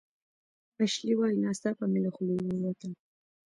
اشلي وايي "ناڅاپه مې له خولې ووتل